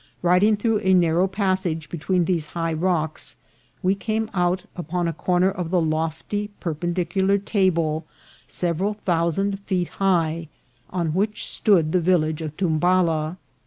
Riding through a narrow passage between these high rocks, we came out upon a corner of the lofty perpendicular table several thousand feet high, on which stood the village of Tumbala.